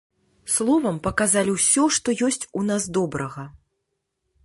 Словам, паказалі ўсё, што ёсць у нас добрага.